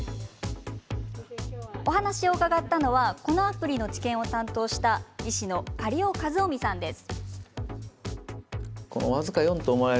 お話を伺ったのはこのアプリの治験を担当した医師の苅尾七臣さんです。